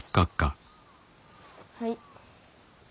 はい。